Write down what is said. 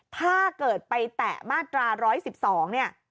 ถ้าเกิดไปแตะมาตรา๑๑๒เนี่ย